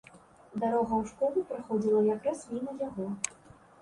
Дарога ў школу праходзіла якраз міма яго.